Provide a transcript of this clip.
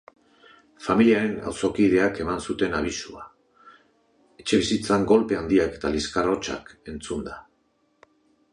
Familiaren auzokideek eman zuten abisua, etxebizitzan kolpe handiak eta liskar hotsak entzunda.